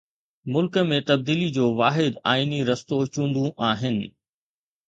ملڪ ۾ تبديلي جو واحد آئيني رستو چونڊون آهن.